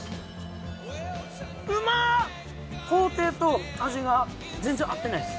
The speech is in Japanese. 工程と味が全然合ってないです。